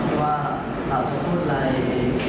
ทางแฟนสาวก็พาคุณแม่ลงจากสอพอ